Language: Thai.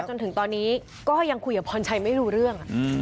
จนถึงตอนนี้ก็ยังคุยกับพรชัยไม่รู้เรื่อง